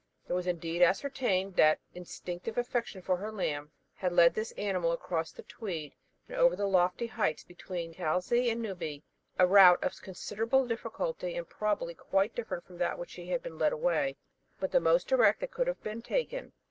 It was indeed ascertained that instinctive affection for her lamb had led this animal across the Tweed, and over the lofty heights between Cailzie and Newby; a route of very considerable difficulty, and probably quite different from that by which she had been led away, but the most direct that could have been taken.